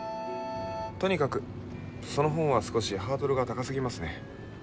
とにかく、その本は少しハードルが高すぎますね。